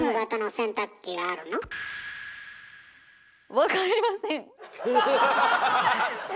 分かりません。え？